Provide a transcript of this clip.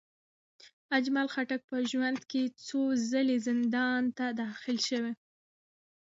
اجمل خټک په ژوند کې څو ځلې زندان ته داخل شوی.